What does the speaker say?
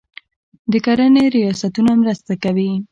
د کرنې ریاستونه مرسته کوي.